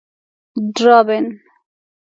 درابڼ